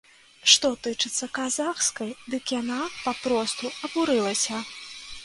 Што тычыцца казахскай, дык яна папросту абурылася.